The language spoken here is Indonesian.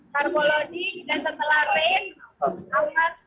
carbo loading dan setelah rain aman